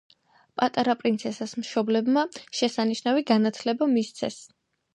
პატარა პრინცესას მშობლებმა შესანიშნავი განათლება მისცეს.